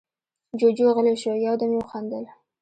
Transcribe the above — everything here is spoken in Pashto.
جُوجُو غلی شو، يو دم يې وخندل: